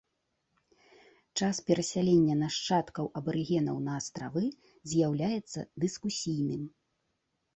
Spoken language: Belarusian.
Час перасялення нашчадкаў абарыгенаў на астравы з'яўляецца дыскусійным.